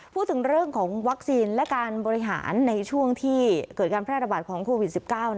พูดถึงเรื่องของวัคซีนและการบริหารในช่วงที่เกิดการแพร่ระบาดของโควิด๑๙